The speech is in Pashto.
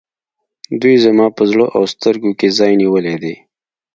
دوی زما په زړه او سترګو کې ځای نیولی دی.